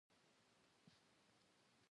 يو ځايګى هم امن نه و.